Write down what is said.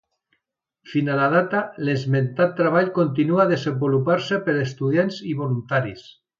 Fins a la data, l'esmentat treball continua desenvolupant-se per estudiants i voluntaris.